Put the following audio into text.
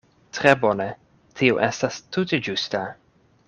Tre bone; tio estas tute ĝusta.